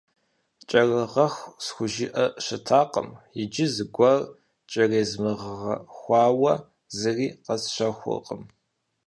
«Кӏэрыгъэху» схужыӏэу щытакъым, иджы зыгуэр кӏэрезмыгъэгъэхуауэ зыри къэсщэхуркъым.